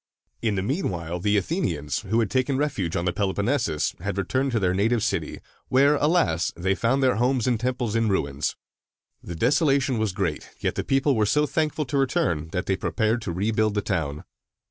In the mean while the Athenians, who had taken refuge on the Peloponnesus, had returned to their native city, where, alas! they found their houses and temples in ruins. The desolation was great; yet the people were so thankful to return, that they prepared to rebuild the town.